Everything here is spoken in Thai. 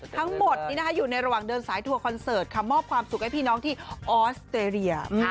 ทั้งหมดนี้อยู่ในระหว่างเดินสายทัวร์คอนเสิร์ตค่ะมอบความสุขให้พี่น้องที่ออสเตรเลีย